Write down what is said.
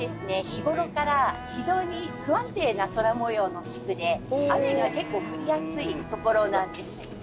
日頃から非常に不安定な空模様の地区で雨が結構降りやすい所なんです。